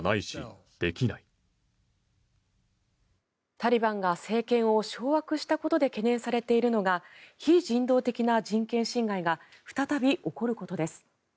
タリバンが政権を掌握したことで懸念されているのが非人道的な人権侵害が再び起こることです。